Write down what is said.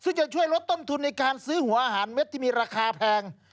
ซึ่งจะช่วยลดต้นทุนในการซื้อหัวอาหารเม็ดที่มีราคาแพง